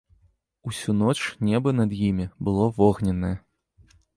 Усю ноч неба над імі было вогненнае.